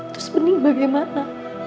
terus bening bagaimana